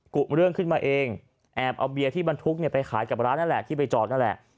กุเรื่องขึ้นมาเองแอบเอาเบียร์ที่บรรทุกไปขายกับร้านนั่นแหละที่ไปจอดนั่นแหละ